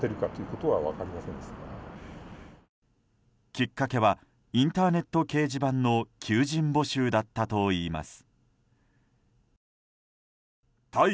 きっかけはインターネット掲示板の求人募集だったといいます。